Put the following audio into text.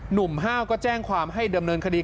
ห้าวก็แจ้งความให้ดำเนินคดี